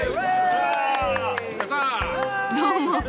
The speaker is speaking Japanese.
どうも。